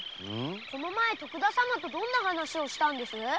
この前徳田様とどんな話をしたんです？